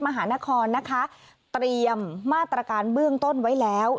มหานครนะคะเตรียมมาตรการเบื้องต้นไว้แล้ว